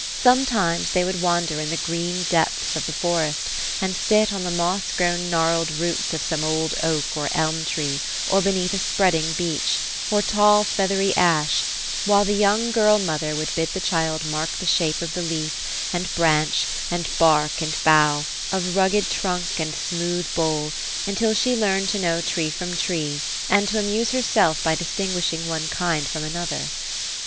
Sometimes they would wander in the green depths of the forest ; and sit on the moss grown gnarled roots of some old oak or elm tree, or beneath a spreading beech, or tall feathery ash, while the young girl mother would bid the child mark the shape of the leaf, and branch, and bark and bough, of rugged trunk and smooth bole, until she learned to know tree from tree, and to amuse herself by distinguishing one kind from another.